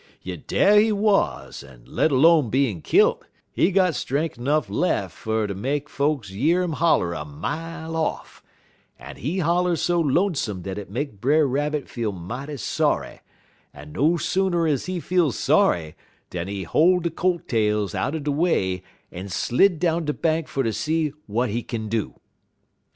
"Yit dar he wuz, en let 'lone bein' kilt, he got strenk 'nuff lef' fer ter make folks year 'im holler a mile off, en he holler so lonesome dat it make Brer Rabbit feel mighty sorry, en no sooner is he feel sorry dan he hol' he coat tails out de way en slid down de bank fer ter see w'at he kin do.